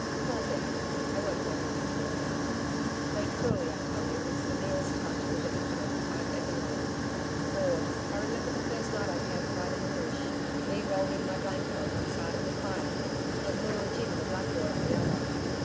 Well, there! I won't bother you with all that though, truly, I tell you, it's the nearest touch with the Infinite I'VE ever known.... Lord! I remember the first night I camped right in the Bush me rolled in my blanket on one side of the fire, and Leura Jim the black boy on the other.